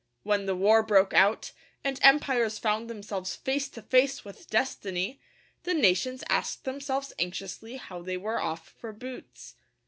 When the war broke out, and empires found themselves face to face with destiny, the nations asked themselves anxiously how they were off for boots.